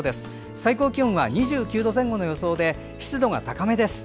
最高気温は２９度前後の予想で湿度が高めです。